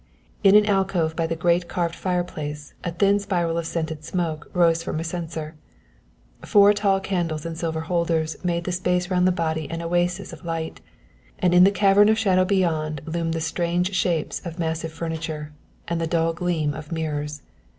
In an alcove by the great carved fire place a thin spiral of scented smoke rose from a censer. Four tall candles in silver holders made the space round the body an oasis of light, and in the cavern of shadow beyond loomed the strange shapes of massive furniture, and the dull gleam of mirrors.